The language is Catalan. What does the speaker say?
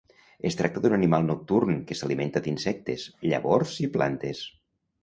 Es tracta d'un animal nocturn que s'alimenta d'insectes, llavors i plantes.